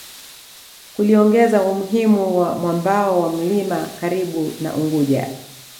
Kuliongeza umuhimu wa mwambao wa mlima karibu na Unguja